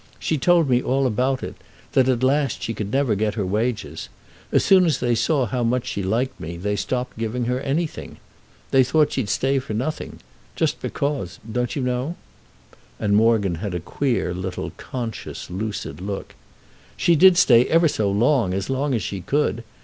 She told me all about it—that at last she could never get her wages. As soon as they saw how much she liked me they stopped giving her anything. They thought she'd stay for nothing—just because, don't you know?" And Morgan had a queer little conscious lucid look. "She did stay ever so long—as long an she could.